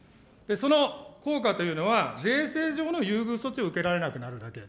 その効果というのは、税制上の優遇を受けられなくなるだけ。